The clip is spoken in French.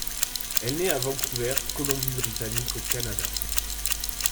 Elle naît à Vancouver, Colombie-Britannique au Canada.